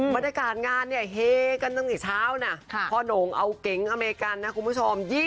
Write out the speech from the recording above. บรรยากาศงานเนี่ยเฮกันตั้งแต่เช้านะพ่อหนงเอาเก๋งอเมริกันนะคุณผู้ชม